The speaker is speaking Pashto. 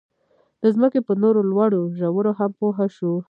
د ځمکې په نورو لوړو ژورو هم پوه شو.